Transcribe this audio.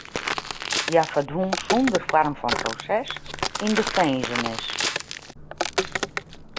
Hja ferdwûn sonder foarm fan proses yn de finzenis.